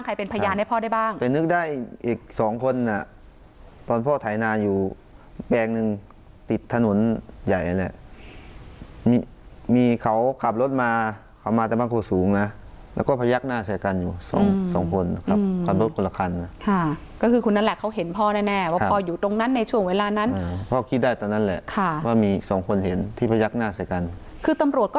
อีกสองคนน่ะตอนพ่อไถนาอยู่แปลงหนึ่งติดถนนใหญ่นั่นแหละมีเขากลับรถมาเขามาแต่บ้างโคสูงนะแล้วก็พยักหน้าใส่กันอยู่สองสองคนครับกลับรถคนละคันค่ะค่ะก็คือคุณนั่นแหละเขาเห็นพ่อแน่แน่ว่าพ่ออยู่ตรงนั้นในช่วงเวลานั้นพ่อคิดได้ตอนนั้นแหละค่ะว่ามีสองคนเห็นที่พยักหน้าใส่กันคือตำรวจก